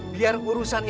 bakar rumah kamu